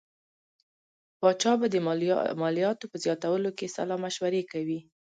پاچا به د مالیاتو په زیاتولو کې سلا مشورې کوي.